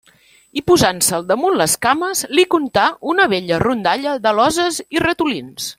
I posant-se'l damunt les cames li contà una vella rondalla d'aloses i ratolins.